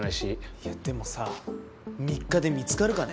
いやでもさ３日で見つかるかね？